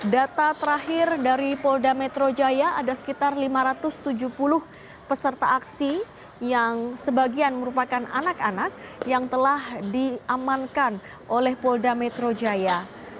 data terakhir dari polda metro jaya ada sekitar lima ratus tujuh puluh peserta aksi yang sebagian merupakan anak anak yang telah diamankan oleh polda metro jaya